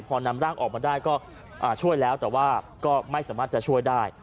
พอนำร่างออกมาได้ก็ช่วยแล้วแต่ว่าก็ไม่สามารถจะช่วยได้